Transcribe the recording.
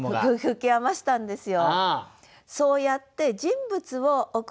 吹き余したんですよ。